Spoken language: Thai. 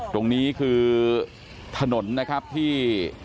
ตรงนี้คือถนนนะครับที่